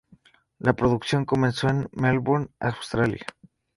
La producción comenzó en Melbourne, Australia.